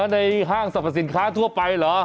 ห้างสรรพสินค้าทั่วไปเหรอ